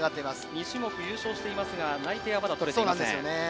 ２種目、優勝していますが内定はまだとれていません。